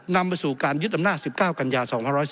นำไปสู่การยึดอำนาจ๑๙กันยา๒๔